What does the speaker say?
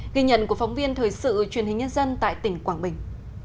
ghi nhận của phóng viên thời sự truyền hình nhân dân tại tỉnh quảng bình